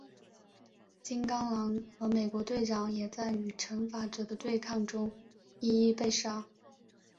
金刚狼和美国队长也在与惩罚者的对抗中一一被杀。